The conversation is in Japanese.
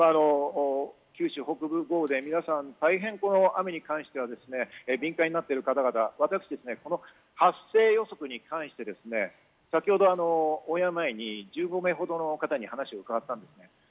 九州北部豪雨で皆さん、大変雨に関しては敏感になっている方々、発生予測に関してですね、先ほどオンエア前に１５名ほどの方に話を伺ったんです。